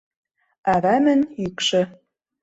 Ӓвамын юкшы...